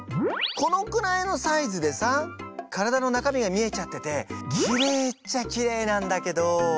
このくらいのサイズでさ体の中身が見えちゃっててきれいっちゃきれいなんだけど。